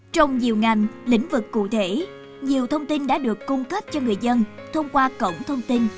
trong nhiều ngành lĩnh vực cụ thể nhiều thông tin đã được cung cấp cho người dân thông qua cổng thông tin